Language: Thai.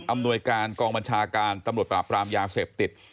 หน่วยการกองบัญชาการตำรวจปราบรามยาเสพติด